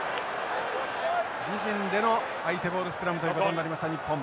自陣での相手ボールスクラムということになりました日本。